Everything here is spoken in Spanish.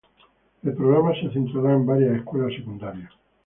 El programa se centrará en varias escuelas secundarias.